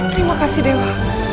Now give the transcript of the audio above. terima kasih dewa